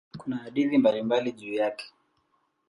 Kuna hadithi mbalimbali juu yake.